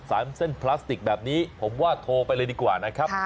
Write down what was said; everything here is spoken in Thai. เส้นพลาสติกแบบนี้ผมว่าโทรไปเลยดีกว่านะครับ